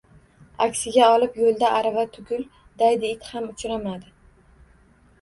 Aksiga olib yo`lda arava tugul daydi it ham uchramadi